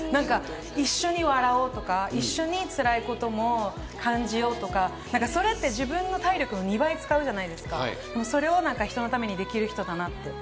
一緒に笑おうとか、一緒につらいことも感じようとか、それって自分の体力の２倍使うじゃないですか、それを人のためにできる人だなって。